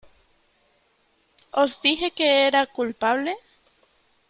Os dije que era culpable .